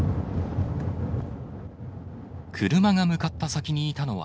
車が向かった先にいたのは。